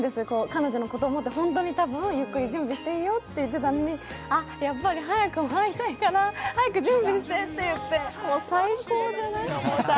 彼女のことを思って本当に多分、ゆっくり準備していいよって言ってたのに、やっぱり早く会いたいから早く準備してって言ってもう最高じゃない？